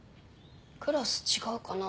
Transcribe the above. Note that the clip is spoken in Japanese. クラス違うかな。